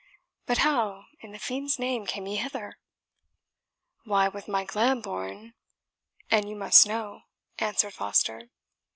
But how, in the fiend's name, came he hither?" "Why, with Mike Lambourne, an you must know," answered Foster.